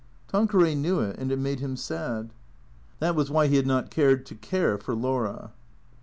Tanqueray knew it, and it made him sad. That was why he had not cared to care for Laura.